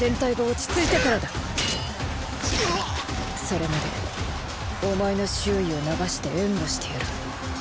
それまでお前の周囲を流して援護してやる。